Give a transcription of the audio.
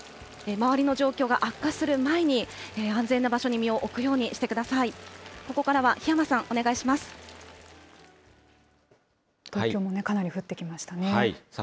周りの状況が悪化する前に、安全な場所に身を置くようにしてください。